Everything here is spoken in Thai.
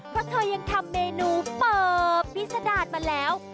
เพราะเธอยังทำเมนูเปิบพิษดารมาแล้ว